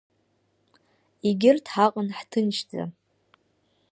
Егьырҭ ҳаҟан ҳҭынчӡа.